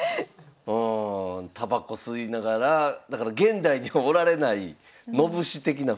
うんたばこ吸いながらだから現代にはおられない野武士的な雰囲気。